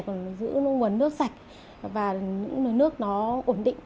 chúng tôi sẽ giữ nguồn nước sạch và nước nó ổn định